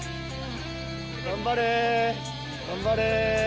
頑張れ頑張れ。